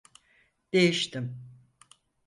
Değiştim.